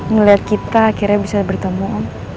ngeliat kita akhirnya bisa bertemu om